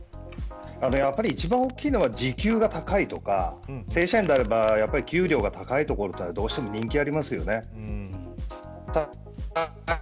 やはり一番大きいのは時給が高いとか正社員なら給料が高いところはどうしても人気がありますね。